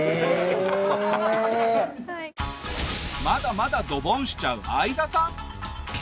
まだまだドボンしちゃうアイダさん。